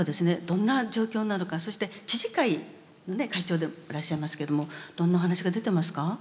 どんな状況なのかそして知事会のね会長でいらっしゃいますけれどもどんな話が出てますか？